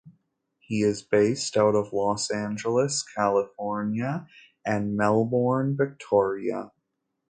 He is based out of Los Angeles, California and Melbourne, Victoria.